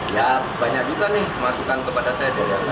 ya banyak juga nih masukan kepada saya dari pemirsa